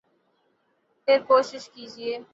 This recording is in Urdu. پھر کوشش کیجئے